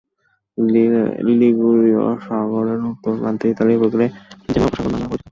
লিগুরীয় সাগরের উত্তর প্রান্ত ইতালির উপকূলে "জেনোয়া উপসাগর" নামে পরিচিত।